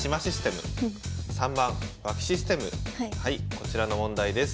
こちらの問題です。